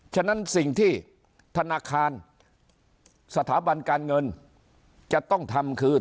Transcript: ฉะนั้นสิ่งที่ธนาคารสถาบันการเงินจะต้องทำคือ